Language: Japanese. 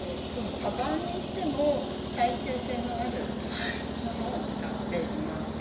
カバンにしても耐久性のあるものを使っています。